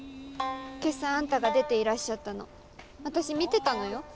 今朝あんたが出ていらっしゃったの私見てたのよ。